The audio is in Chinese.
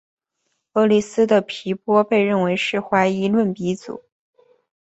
厄利斯的皮浪被认为是怀疑论鼻祖。